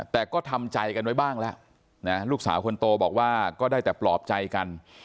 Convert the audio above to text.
แต่ก็ทำใจกันไว้บ้างแล้วนะลูกสาวคนโตบอกว่าก็ได้แต่ปลอบใจกัน